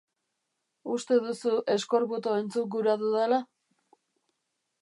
Uste duzu Eskorbuto entzun gura dudala?